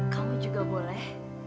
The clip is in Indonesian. kamu juga boleh